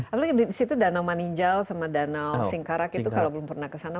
apalagi disitu danau maninjal sama danau singkarak itu kalau belum pernah kesana